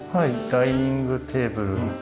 ダイニングテーブル。